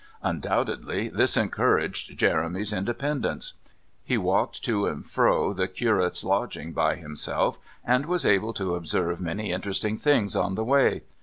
Undoubtedly this encouraged Jeremy's independence. He walked to and fro the curate's lodging by himself, and was able to observe many interesting things on the way.